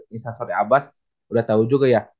nisa sotih abbas udah tau juga ya